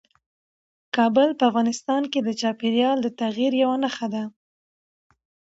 کابل په افغانستان کې د چاپېریال د تغیر یوه نښه ده.